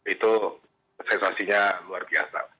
itu sensasinya luar biasa